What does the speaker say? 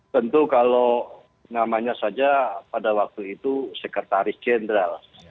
tentu kalau namanya saja pada waktu itu sekretaris jenderal